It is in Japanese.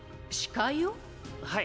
はい！